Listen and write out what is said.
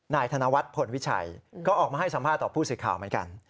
นายธนวัฒน์ผลวิชัยก็ออกมาให้สัมภาษณ์ต่อผู้สิทธิ์ข่าว